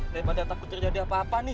daripada takut terjadi apa apa nih